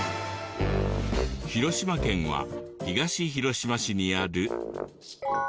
広島県は東広島市にある。